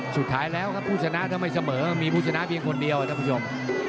สุดท้ายแล้วครับผู้ชนะถ้าไม่เสมอก็มีผู้ชนะเพียงคนเดียวท่านผู้ชม